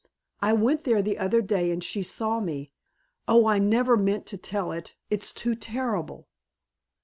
I went there the other day and she saw me and oh, I never meant to tell it it's too terrible!"